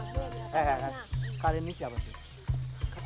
proseso tahu tidak penting siapakan berdua yang